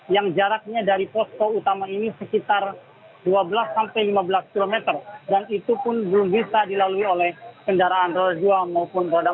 yang jaraknya dari posko utama ini sekitar dua belas sampai lima belas km dan itu pun belum bisa dilalui oleh kendaraan roda dua maupun roda empat